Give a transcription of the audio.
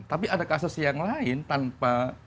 tapi ada kasus yang lain tanpa